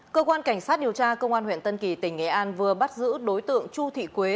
cơ quan cảnh sát điều tra công an huyện tân kỳ tỉnh nghệ an vừa bắt giữ đối tượng chu thị quế